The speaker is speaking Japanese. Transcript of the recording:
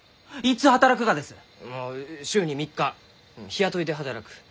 あ週に３日日雇いで働く。